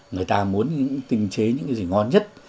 người ta muốn tinh chế những gì ngon nhất